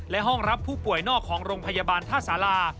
และห้องรับผู้ป่วยนอกของโรงพยาบาลท่าสารา